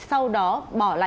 sau đó bỏ